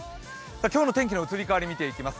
今日の天気の移り変わり見ていきます。